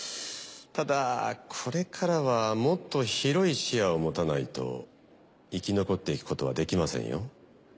ただこれからはもっと広い視野を持たないと生き残っていくことはできませんよ。